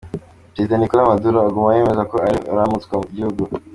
Prezida Nicolás Maduro aguma yemeza ko ari we aramutswa igihugu.